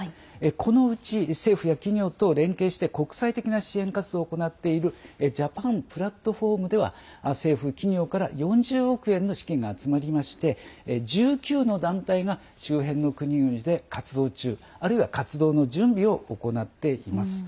このうち、政府や企業と連携して国際的な支援活動を行っているジャパン・プラットフォームでは政府、企業から４０億円の資金が集まりまして１９の団体が周辺の国々で活動中あるいは活動の準備を行っています。